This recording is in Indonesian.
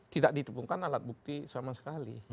tidak ditemukan alat bukti sama sekali